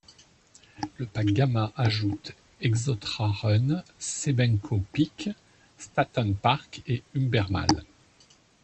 Le pack Gamma ajoute Exostra Run, Sebenco Peak, Statent Park et Übermall.